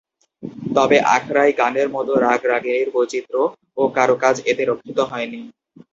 তবে আখড়াই গানের মতো রাগ-রাগিণীর বৈচিত্র্য ও কারুকাজ এতে রক্ষিত হয়নি।